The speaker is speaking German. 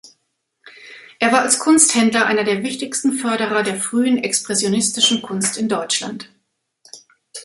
Er war als Kunsthändler einer der wichtigsten Förderer der frühen expressionistischen Kunst in Deutschland.